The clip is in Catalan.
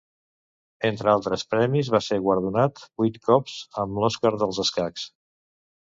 Entre altres premis, va ser guardonat vuit cops amb l'Òscar dels escacs.